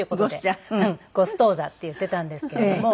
ゴストーザって言っていたんですけれども。